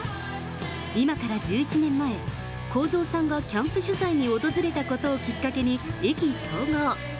今から１１年前、公造さんがキャンプ取材に訪れたことをきっかけに、意気投合。